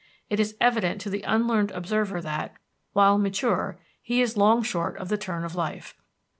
It is evident to the unlearned observer that, while mature, he is long short of the turn of life.